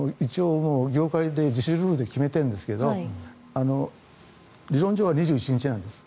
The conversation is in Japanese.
業界で、自主ルールで決めているんですが理論上は２１日なんです。